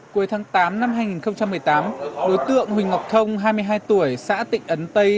cuối tháng tám năm hai nghìn một mươi tám đối tượng huỳnh ngọc thông hai mươi hai tuổi xã tịnh ấn tây